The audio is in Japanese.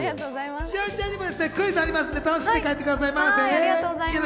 栞里ちゃんにもクイズあるので楽しんで帰ってくださいませ。